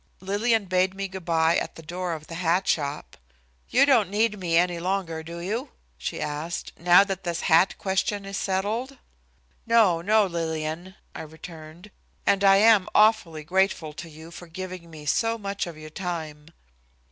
Lillian bade me good by at the door of the hat shop. "You don't need me any longer, do you?" she asked, "now that this hat question is settled?" "No, no, Lillian," I returned, "and I am awfully grateful to you for giving me so much of your time."